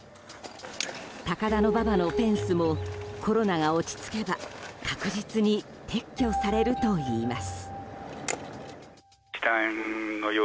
高田馬場のフェンスもコロナが落ち着けば確実に撤去されるといいます。